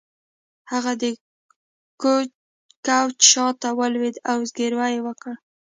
هغه د کوچ شاته ولویده او زګیروی یې وکړ